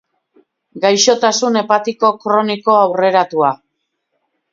Gaixotasun hepatiko kroniko aurreratua.